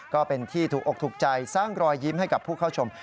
ก็เป็นที่ถูกอกถูกใจสร้างรอยยิ้มให้กับผู้เข้าชม